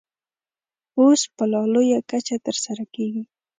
اوس په لا لویه کچه ترسره کېږي.